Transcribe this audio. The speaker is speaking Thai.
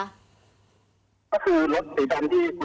เออ